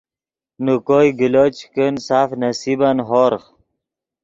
نے کوئے گلو چے کن سف نصیبن ہورغ